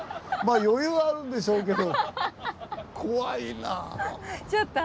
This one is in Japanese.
まあ余裕はあるでしょうけど怖いなあ。